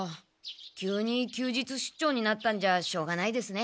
急に休日出張になったんじゃしょうがないですね。